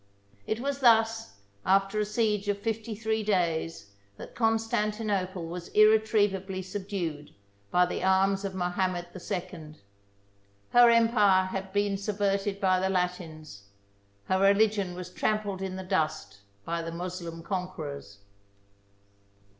It was thus, after a siege of fifty three days, that Constantinople was irretrievably subdued by the arms of Mohamed II. Her empire only had been subverted by the Latins ; her religion was trampled in the dust by the Moslem conquerors.